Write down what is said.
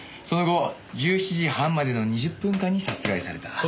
その後１７時半までの２０分間に殺害された。